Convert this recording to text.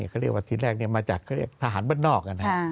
เขาเรียกว่าทีแรกมาจากทหารบ้านนอกกัน